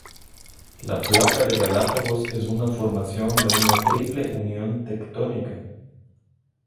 La Placa de Galápagos es una formación de una Triple unión tectónica.